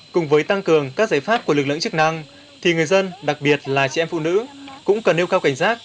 cùng với tăng cường các giải pháp của lực lượng chức năng thì người dân đặc biệt là chị em phụ nữ cũng cần nêu cao cảnh giác